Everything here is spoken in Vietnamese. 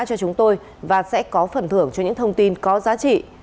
cho chúng tôi và sẽ có phần thưởng cho những thông tin có giá trị